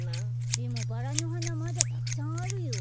でもバラのはなまだたくさんあるよ。